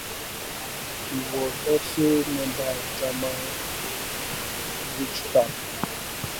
He was also member of the German Reichstag.